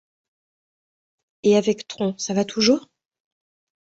Et, avec Tron, ça va toujours?